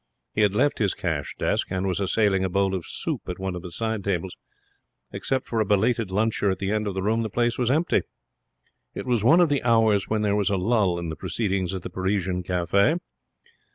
He had left his cash desk and was assailing a bowl of soup at one of the side tables. Except for a belated luncher at the end of the room the place was empty. It was one of the hours when there was a lull in the proceedings at the Parisian Cafe.